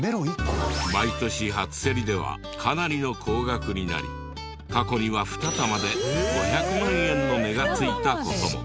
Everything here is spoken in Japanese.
毎年初競りではかなりの高額になり過去には２玉で５００万円の値が付いた事も。